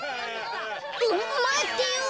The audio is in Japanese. まってよ。